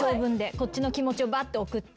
こっちの気持ちをバッと送って。